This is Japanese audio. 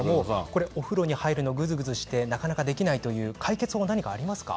お風呂に入るのはぐずぐずしてなかなかできないという解決法はありますか。